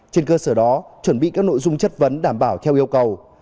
trên cơ sở đó chuẩn bị các nội dung chất vấn đảm bảo theo yêu cầu